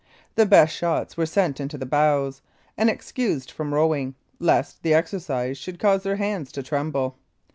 The best shots were sent into the bows, and excused from rowing, lest the exercise should cause their hands to tremble.